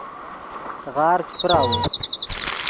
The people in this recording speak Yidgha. غار چے بیراؤ